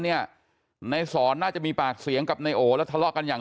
เนี่ยในสอนน่าจะมีปากเสียงกับนายโอแล้วทะเลาะกันอย่าง